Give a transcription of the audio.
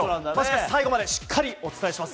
最後までしっかりお伝えします。